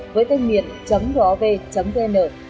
với tên miền gov vn